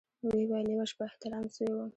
ويې ويل يوه شپه احتلام سوى وم.